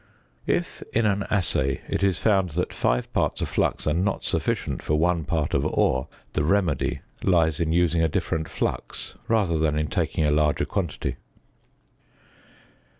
If, in an assay, it is found that 5 parts of flux are not sufficient for 1 part of ore, the remedy lies in using a different flux rather than in taking a larger quantity.